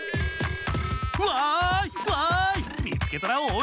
わいわい！